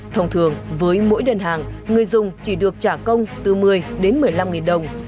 thông thường với mỗi đơn hàng người dùng chỉ được trả công từ một mươi đến một mươi năm nghìn đồng